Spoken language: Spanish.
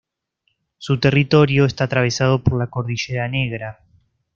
Su territorio está atravesado por la Cordillera Negra.